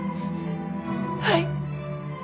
はい！